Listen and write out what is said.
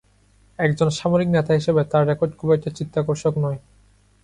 একজন সামরিক নেতা হিসেবে তার রেকর্ড খুব একটা চিত্তাকর্ষক নয়।